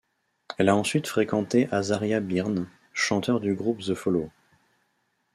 Elle a ensuite fréquenté Azaria Byrne, chanteur du groupe The Follow.